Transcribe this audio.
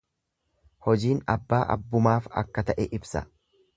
Hojiin abbaa abbumaaf akka ta'e ibsa.